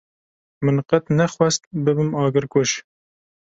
Min qet nexwest bibim agirkuj.